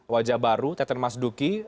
wajah baru teten mas duki